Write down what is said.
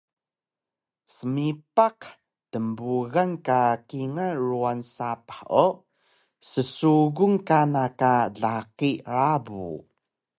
Smipaq tnbugan ka kingal ruwan sapah o ssugun kana ka laqi rabu